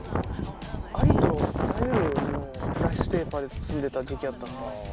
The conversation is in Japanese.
ありとあらゆるものをライスペーパーで包んでた時期あったな。